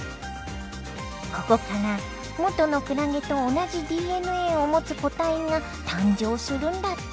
ここから元のクラゲと同じＤＮＡを持つ個体が誕生するんだって。